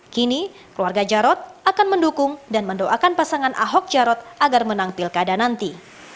kini keluarga jarod akan mendukung dan mendoakan pasangan ahok jarot agar menang pilkada nanti